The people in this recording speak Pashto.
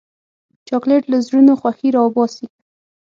چاکلېټ له زړونو خوښي راوباسي.